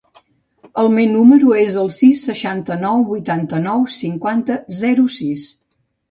El meu número es el sis, seixanta-nou, vuitanta-nou, cinquanta, zero, sis.